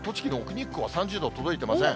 日光は３０度届いていません。